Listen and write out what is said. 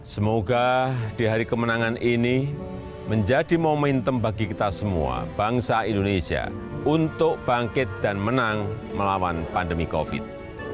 semoga di hari kemenangan ini menjadi momentum bagi kita semua bangsa indonesia untuk bangkit dan menang melawan pandemi covid